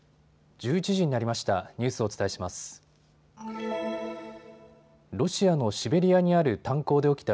１１時になりました。